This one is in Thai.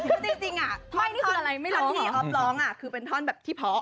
คือจริงอะท่อนที่ออฟร้องอะคือเป็นท่อนแบบที่เพาะ